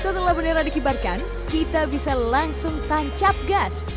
setelah bendera dikibarkan kita bisa langsung tancap gas